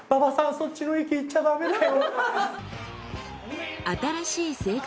そっちの域行っちゃだめだよ。